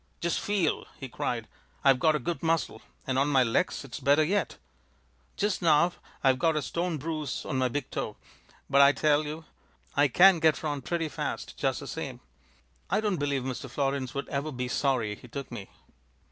"Just feel!" he cried. "I've got a good muscle, and on my legs it's better yet. Just now I've got a stone bruise on my big toe, but I tell you I can get round pretty fast just the same. I don't believe Mr. Florins would ever be sorry he took me."